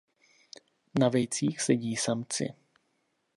Na vejcích sedí samci.